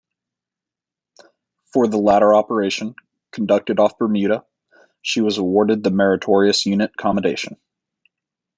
For the latter operation, conducted off Bermuda, she was awarded the Meritorious Unit Commendation.